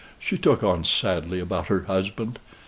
she took on sadly about her husband.